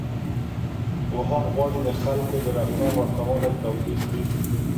پوهان غواړي د خلکو د رفتار ورته والی توضيح کړي.